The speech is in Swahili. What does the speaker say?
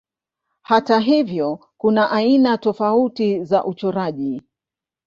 Hata hivyo kuna aina tofauti za uchoraji.